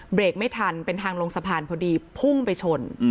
เบรกไม่ทันเป็นทางลงสะพานพอดีพุ่งไปชน